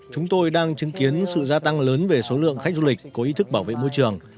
chúng tôi đang chứng kiến sự gia tăng lớn về số lượng khách du lịch có ý thức bảo vệ môi trường